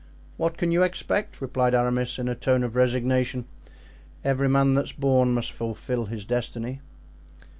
"What can you expect?" replied Aramis, in a tone of resignation. "Every man that's born must fulfil his destiny."